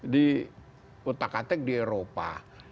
di utak atik di eropa